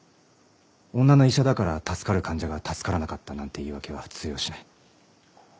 女の医者だから助かる患者が助からなかったなんて言い訳は通用しない。